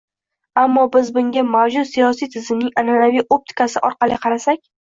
Ammo biz bunga mavjud siyosiy tizimning an’anaviy optikasi orqali qarasak